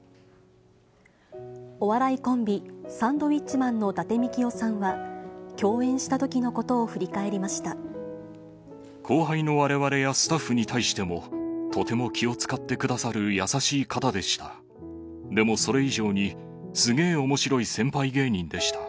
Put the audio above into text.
お笑いコンビ、サンドウィッチマンの伊達みきおさんは、共演したときのことを振後輩のわれわれやスタッフに対しても、とても気を遣ってくださる優しい方でした。